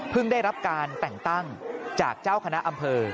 ได้รับการแต่งตั้งจากเจ้าคณะอำเภอ